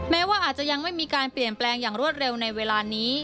แม้ว่าอาจจะยังไม่มีการเปลี่ยนแปลงอย่างรวดเร็วในเวลานี้